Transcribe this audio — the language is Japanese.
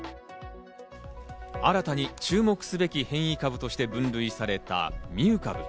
新たに注目すべき変異株として分類されたミュー株。